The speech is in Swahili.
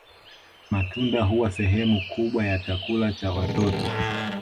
Matunda huwa sehemu kubwa ya chakula cha watoto